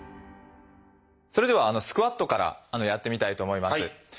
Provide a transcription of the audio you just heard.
それではスクワットからやってみたいと思います。